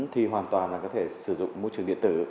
thì hoàn toàn là có thể sử dụng môi trường điện tử